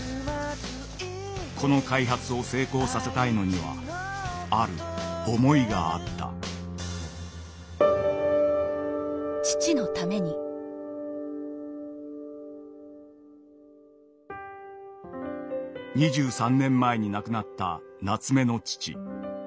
この開発を成功させたいのにはある思いがあった２３年前に亡くなった夏目の父。